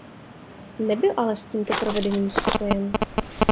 Nebyl ale s tímto provedením spokojen.